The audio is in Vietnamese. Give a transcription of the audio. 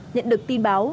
nhận được tin báo